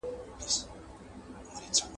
د خلګو د ژوند د ښه والي لپاره هڅه وکړئ.